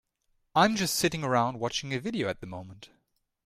I'm just sitting around watching a video at the moment.